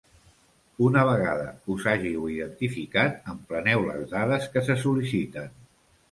Una vegada us hàgiu identificat, empleneu les dades que se sol·liciten.